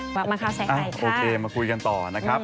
มาครับแสงไข่ค่ะโอเคมาคุยกันต่อนะครับ